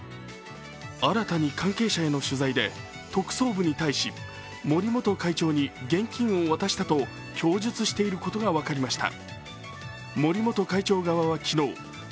新たに関係者への取材で特捜部に対し森元会長に現金を渡したと供述していることが分かりました。